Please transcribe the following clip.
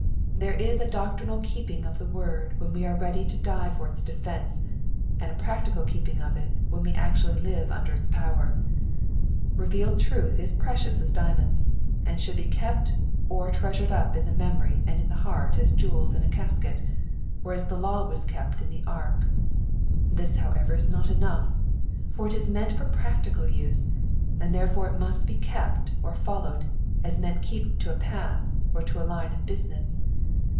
There is a doctrinal keeping of the word when we are ready to die for its defence, and a practical keeping of it when we actually live under its power. Revealed truth is precious as diamonds, and should be kept or treasured up in the memory and in the heart as jewels in a casket, or as the law was kept in the ark ; this however is not enough, for it is meant for practical use, and therefore it must be kept or followed, as men keep to a path, or to a line of business.